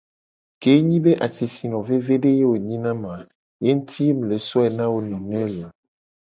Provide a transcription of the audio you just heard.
Ke enyi be asisino vevede ye wo nyi na mu a ye nguti mu le so wo na wo nene looo.